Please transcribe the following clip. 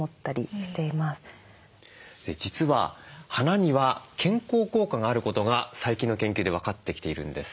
実は花には健康効果があることが最近の研究で分かってきているんです。